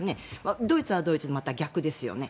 ドイツはドイツでまた逆ですよね。